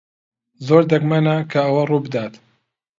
زۆر دەگمەنە کە ئەوە ڕوو بدات.